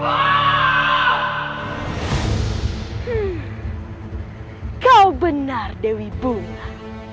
hai kau benar dewi bunga